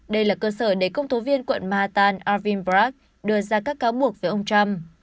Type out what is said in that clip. đây là cơ sở để công thố viên quận manhattan arvin bragg đưa ra các cáo buộc về ông trump